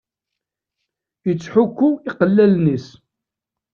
Ittḥukku iqellalen-is.